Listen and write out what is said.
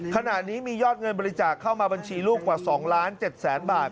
ขณะนี้มียอดเงินบริจาคเข้ามาบัญชีรูปกว่า๒๙๐๐๐๐๐บาท